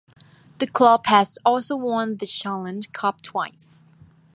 The club has also won the Challenge Cup twice.